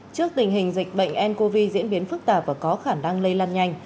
trước tình hình dịch bệnh ncov diễn biến phức tạp và có khả năng lây lan nhanh